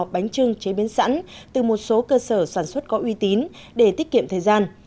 bánh trưng chế biến sẵn từ một số cơ sở sản xuất có uy tín để tiết kiệm thời gian